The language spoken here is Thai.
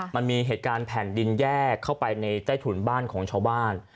มันมีเหตุการณ์แผ่นดินแยกเข้าไปในใต้ถุนบ้านของชาวบ้าน